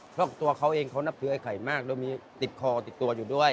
เพราะตัวเขาเองเขานับถือไอ้ไข่มากแล้วมีติดคอติดตัวอยู่ด้วย